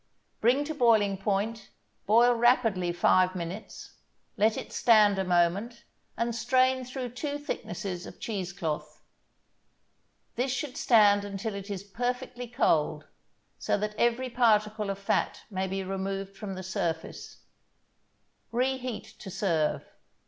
Bring to boiling point, boil rapidly five minutes, let it stand a moment, and strain through two thicknesses of cheese cloth. This should stand until it is perfectly cold, so that every particle of fat may be removed from the surface. Reheat to serve.